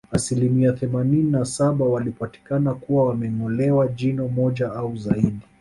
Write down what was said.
Asilimia themanini na saba walipatikana kuwa wamengolewa jino moja au zaidi